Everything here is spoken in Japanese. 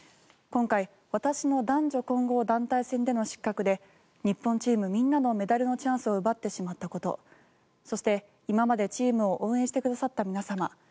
今回私の男女混合団体戦での失格で日本チームみんなのメダルのチャンスを奪ってしまったことそして、今までチームを応援してくださった皆様